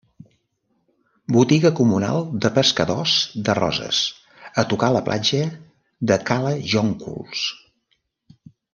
Botiga comunal de pescadors de Roses, a tocar la platja de Cala Jóncols.